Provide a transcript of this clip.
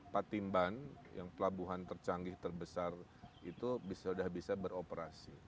patimban yang pelabuhan tercanggih terbesar itu sudah bisa beroperasi